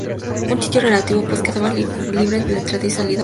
Un sitio relativo pues quedaba libre la entrada y salida por mar.